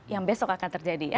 yang besok akan terjadi